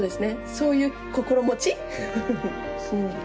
そういう心持ち？